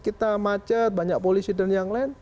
kita macet banyak polisi dan yang lain